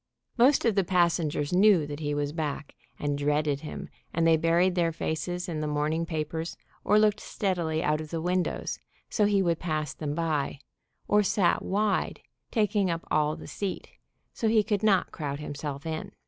Most of the passengers knew that he was back, and dreaded him, and they buried their faces in the morning papers or looked steadily out of the windows, so he would 102 THE GUEST ON A COAL CARRIER pass them by, or sat wide, taking up all the seat, so he could not crowd himself in.